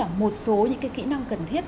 là một số những cái kỹ năng cần thiết